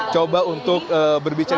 coba untuk berbicara